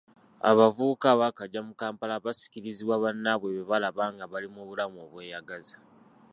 Abavubuka abaakajja mu Kampala basikirizibwa bannaabwe bebalaba nga bali mu bulamu obweyagaza.